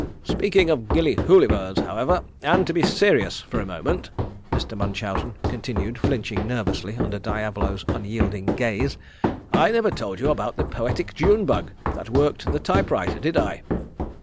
"Speaking of Gillyhooly birds, however, and to be serious for a moment," Mr. Munchausen continued flinching nervously under Diavolo's unyielding gaze; "I never told you about the poetic June bug that worked the typewriter, did I?"